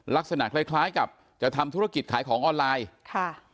ลักษณะคล้ายกับจะทำธุรกิจขายของออนไลน์